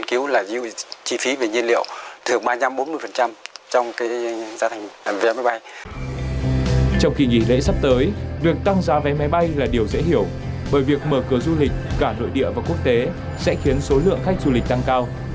trong kỳ nghỉ lễ sắp tới việc tăng giá vé máy bay là điều dễ hiểu bởi việc mở cửa du lịch cả nội địa và quốc tế sẽ khiến số lượng khách du lịch tăng cao